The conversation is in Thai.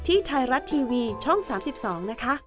ที่ไทยรัตน์ทีวีช่อง๓๒นะคะ